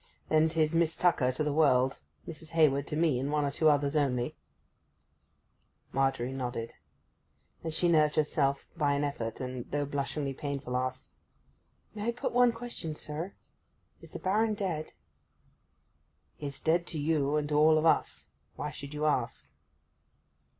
'H'm. Then 'tis Miss Tucker to the world; Mrs. Hayward to me and one or two others only?' Margery nodded. Then she nerved herself by an effort, and, though blushing painfully, asked, 'May I put one question, sir? Is the Baron dead?' 'He is dead to you and to all of us. Why should you ask?